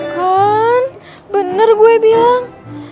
kan bener gue bilang